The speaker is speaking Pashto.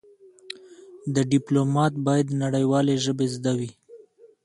د ډيپلومات بايد نړېوالې ژبې زده وي.